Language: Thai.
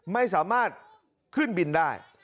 ไม่สามารถขึ้นบินได้